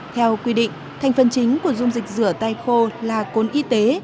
theo quy định thành phần chính của dung dịch rửa tay khô là cồn y tế